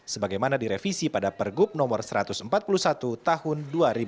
sebagaimana direvisi pada pergub no satu ratus empat puluh satu tahun dua ribu dua puluh